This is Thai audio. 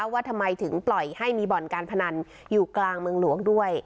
ว่าทำไมถึงปล่อยให้มีบ่อนการพนันอยู่กลางเมืองหลวงด้วย